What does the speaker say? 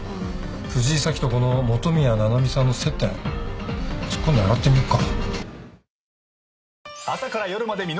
藤井早紀とこの元宮七海さんの接点突っ込んで洗ってみようか。